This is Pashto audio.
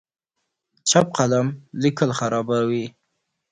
چپ قلم لیکل خرابوي.